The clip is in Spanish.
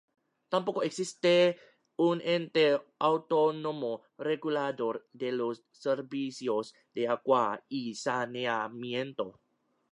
Tampoco existe un ente autónomo regulador de los servicios de agua y saneamiento.